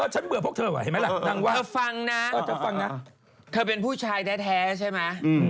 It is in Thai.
เธอฟังนะเธอเป็นผู้ชายแท้ใช่ไหม